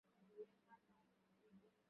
তিনি অনেক কাজ করেন।